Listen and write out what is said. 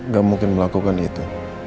gak mungkin melakukan itu